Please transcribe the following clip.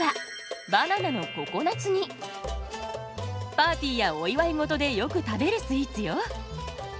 パーティーやお祝い事でよく食べるスイーツよ。